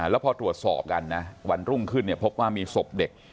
แล้วพอตรวจสอบกันนะวันรุ่งขึ้นพบว่ามีศพเด็ก